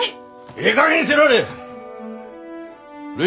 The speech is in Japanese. ええかげんにせられえ！